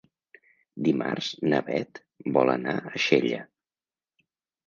Dimarts na Beth vol anar a Xella.